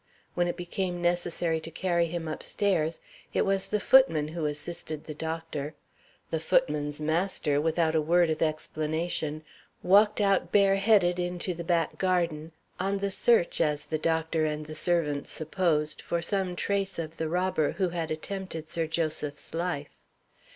When it became necessary to carry him upstairs, it was the footman who assisted the doctor. The foot man's master, without a word of explanation, walked out bare headed into the back garden, on the search, as the doctor and the servants supposed, for some trace of the robber who had attempted Sir Joseph's life.